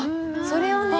それをね。